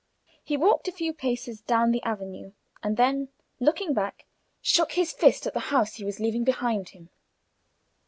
He walked a few paces down the avenue, and then, looking back, shook his fist at the house he was leaving behind him.